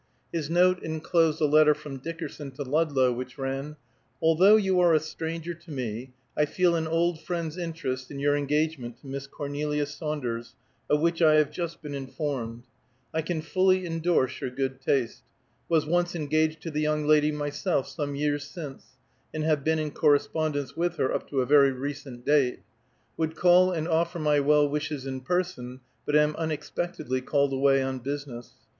His note enclosed a letter from Dickerson to Ludlow, which ran: "Although you are a stranger to me, I feel an old friend's interest in your engagement to Miss Cornelia Saunders, of which I have just been informed. I can fully endorse your good taste. Was once engaged to the young lady myself some years since, and have been in correspondence with her up to a very recent date. Would call and offer my well wishes in person, but am unexpectedly called away on business.